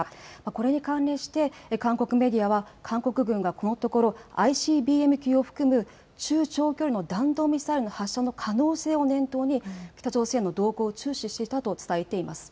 これに関連して韓国メディアは韓国軍がこのところＩＣＢＭ級を含む中・長距離の弾道ミサイルの発射の可能性を念頭に北朝鮮の動向を注視していたと伝えています。